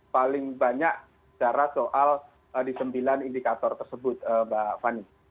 paling banyak cara soal di sembilan indikator tersebut mbak fani